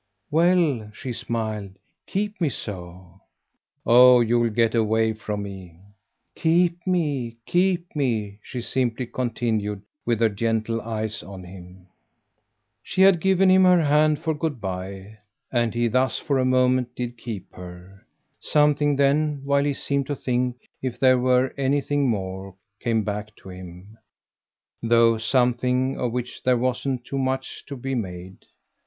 "Well," she smiled "keep me so." "Oh you'll get away from me." "Keep me, keep me," she simply continued with her gentle eyes on him. She had given him her hand for good bye, and he thus for a moment did keep her. Something then, while he seemed to think if there were anything more, came back to him; though something of which there wasn't too much to be made.